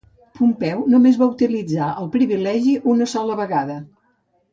Pompeu només va utilitzar el privilegi una sola vegada.